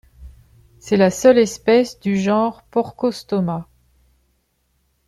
C'est la seule espèce du genre Porcostoma.